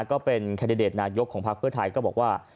ก็เป็นแคนดิเดตนายกของพักเพื่อไทยก็บอกว่า